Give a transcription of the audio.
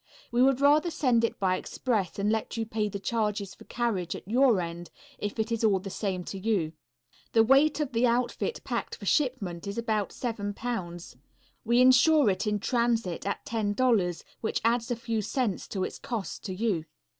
We would rather send it by express and let you pay the charges for carriage at your end, if it is all the same to you. The weight of this outfit packed for shipment is about seven pounds. We insure it in transit at $10, which adds a few cents to its cost to you.